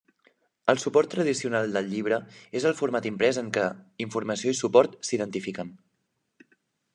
El suport tradicional del llibre és el format imprès en què informació i suport s’identifiquen.